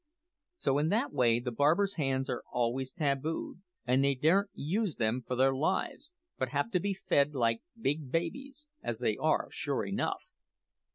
So in that way the barbers' hands are always tabued, and they daren't use them for their lives, but have to be fed like big babies as they are, sure enough!"